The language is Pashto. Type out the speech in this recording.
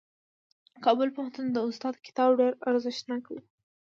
د کابل پوهنتون د استاد کتاب ډېر ارزښتناک و.